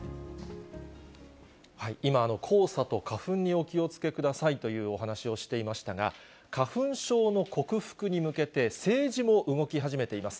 今、黄砂と花粉にお気をつけくださいというお話をしていましたが、花粉症の克服に向けて、政治も動き始めています。